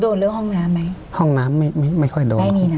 โดนเรื่องห้องน้ำไหมห้องน้ำไม่ไม่ไม่ค่อยโดนไม่มีนะ